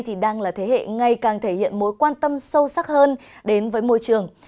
thì đang là thế hệ ngày càng thể hiện mối quan tâm sâu sắc hơn đến với môi trường